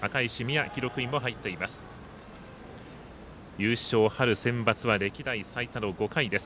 優勝、春センバツは歴代最多の５回です。